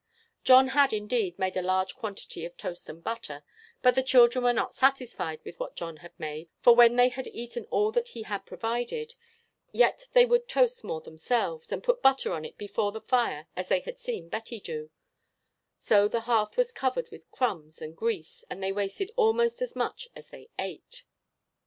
John had, indeed, made a large quantity of toast and butter; but the children were not satisfied with what John had made, for when they had eaten all that he had provided, yet they would toast more themselves, and put butter on it before the fire as they had seen Betty do; so the hearth was covered with crumbs and grease, and they wasted almost as much as they ate.